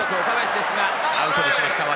俊足・岡林ですがアウトにしました。